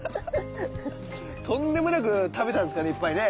とんでもなく食べたんですかねいっぱいね。